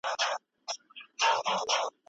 خانان او پاچاهان له دې شیطانه په امان دي